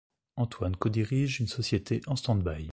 Antoine co-dirige une société en stand-by.